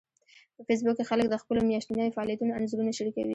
په فېسبوک کې خلک د خپلو میاشتنيو فعالیتونو انځورونه شریکوي